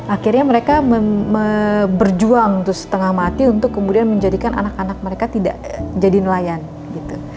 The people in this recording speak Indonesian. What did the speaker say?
akhirnya mereka berjuang tuh setengah mati untuk kemudian menjadikan anak anak mereka tidak jadi nelayan gitu